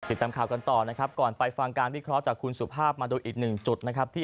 ติดตามข่าวกันต่อนะครับก่อนไปฟังการวิเคราะห์จากคุณสุภาพมาดูอีกหนึ่งจุดนะครับที่